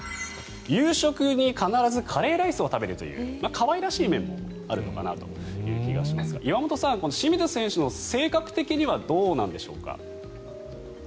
夕食に必ずカレーライスを食べるという可愛らしい面もあるのかなという気がしますが岩本さん、清水選手の性格的にはどうなんでしょうか。